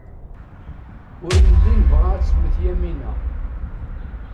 Ur nelli nebɣa ad temmet Yamina.